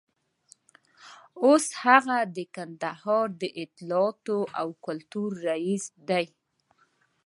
اوس هغه د کندهار د اطلاعاتو او کلتور رییس دی.